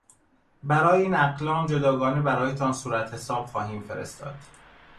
برای این اقلام جداگانه برایتان صورت حساب خواهیم فرستاد.